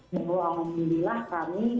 yang berulang ulangnya allah kami